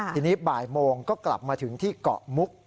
ทีนี้บ่ายโมงก็กลับมาถึงที่เกาะมุก